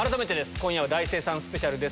今夜は大精算スペシャルです。